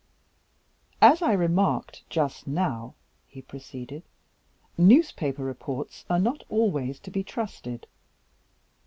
"As I remarked just now," he proceeded, "newspaper reports are not always to be trusted.